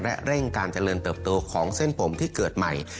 และเร่งการเจริญเติบโตของเส้นผมที่เกิดใหม่